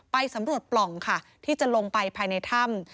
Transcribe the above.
ไปสำรวจปล่องค่ะที่จะลงไปภายในถ้ำ